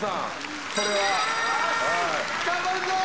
頑張るぞ！